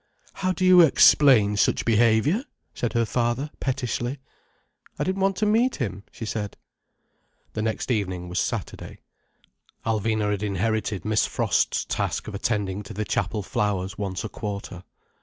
"How do you explain such behaviour?" said her father pettishly. "I didn't want to meet him," she said. The next evening was Saturday. Alvina had inherited Miss Frost's task of attending to the Chapel flowers once a quarter.